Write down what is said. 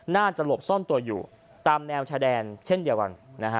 น่าจะหลบซ่อนตัวอยู่ตามแนวแชดดันเช่นเดียวกัน